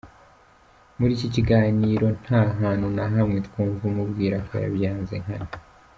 Muri iki kiganiro nta hantu na hamwe twumva umubwira ko yabyanze nkana.